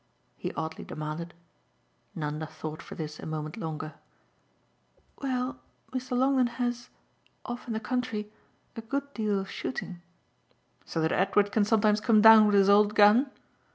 he oddly demanded. Nanda thought for this a moment longer. "Well, Mr. Longdon has off in the country a good deal of shooting." "So that Edward can sometimes come down with his old gun?